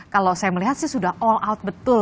kalau saya melihat sih sudah all out betul